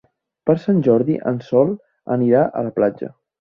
Per Sant Jordi en Sol anirà a la platja.